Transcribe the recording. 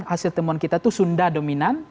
hasil temuan kita itu sunda dominan